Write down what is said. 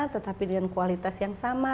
tetapi dengan kualitas yang sama